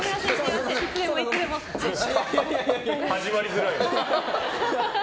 始まりづらい。